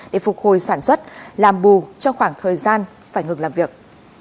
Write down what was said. để phục hồi sản xuất làm bù cho khoảng thời gian phải ngừng làm việc